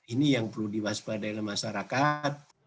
ini yang perlu diwaspadai oleh masyarakat